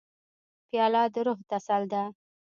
پیاله د روح تسل ده.